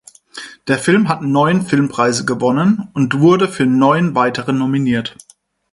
Der Film hat neun Filmpreise gewonnen und wurde für neun weitere nominiert.